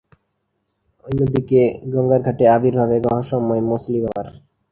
অন্যদিকে গঙ্গার ঘাটে আবির্ভাব এক রহস্যময় মছলিবাবার।